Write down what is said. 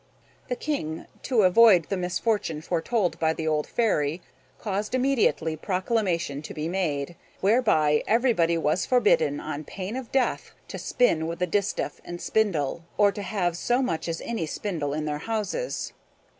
The King, to avoid the misfortune foretold by the old Fairy, caused immediately proclamation to be made, whereby everybody was forbidden, on pain of death, to spin with a distaff and spindle, or to have so much as any spindle in their houses.